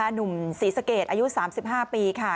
หนุ่มศรีสะเกดอายุ๓๕ปีค่ะ